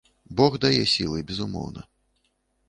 Бог дае сілы, безумоўна.